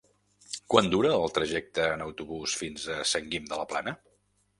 Quant dura el trajecte en autobús fins a Sant Guim de la Plana?